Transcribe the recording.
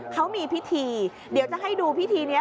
เขามีพิธีเดี๋ยวจะให้ดูพิธีนี้